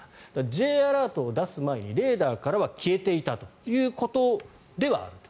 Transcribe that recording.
Ｊアラートを出す前にレーダーからは消えていたということではあると。